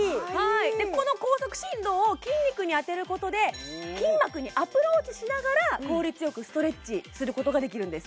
この高速振動を筋肉に当てることで筋膜にアプローチしながら効率よくストレッチすることができるんです